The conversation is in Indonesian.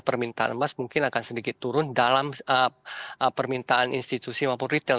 permintaan emas mungkin akan sedikit turun dalam permintaan institusi maupun retail